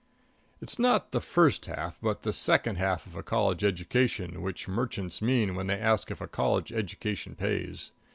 It's not the first half, but the second half of a college education which merchants mean when they ask if a college education pays.